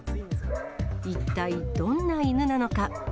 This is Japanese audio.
一体どんな犬なのか。